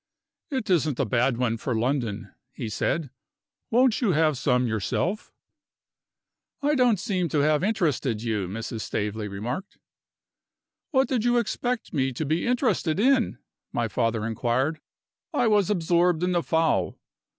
"It isn't a bad one for London," he said; "won't you have some yourself?" "I don't seem to have interested you," Mrs. Staveley remarked. "What did you expect me to be interested in?" my father inquired. "I was absorbed in the fowl.